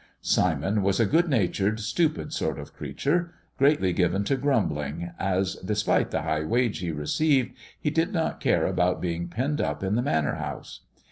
Simon was a good natured, stupid sort of creature, greatly given to grumbling, as, despite the high wage he received, he did not care about being penned up in the Manor House.